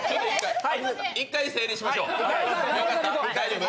１回整理しましょう。